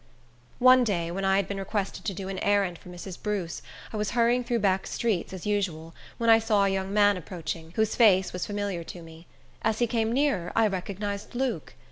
One day, when I had been requested to do an errand for Mrs. Bruce, I was hurrying through back streets, as usual, when I saw a young man approaching, whose face was familiar to me. As he came nearer, I recognized Luke.